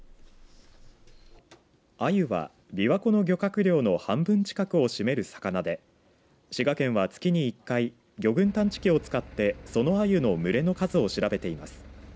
あゆは、びわ湖の漁獲量の半分近くを占める魚で滋賀県は月に１回魚群探知機を使ってそのあゆの群れの数を調べています。